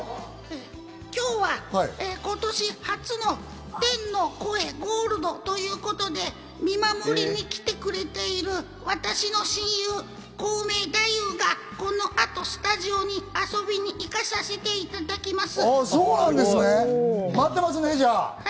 今日は今年初の天の声ゴールドということで、見守りに来てくれている私の親友・コウメ太夫が、この後、スタジオに遊びに行かさせていただきます。